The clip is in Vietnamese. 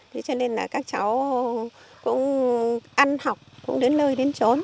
thế cho nên là các cháu cũng ăn học cũng đến nơi đến trốn